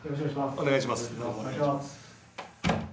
お願いします。